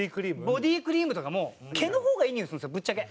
ボディークリームとかも毛の方がいいにおいするんですよぶっちゃけ。